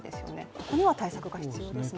ここにも対策が必要ですね。